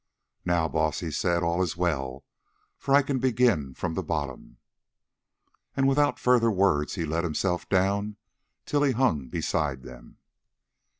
"Now, Baas," he said, "all is well, for I can begin from the bottom." And, without further words, he let himself down till he hung beside them.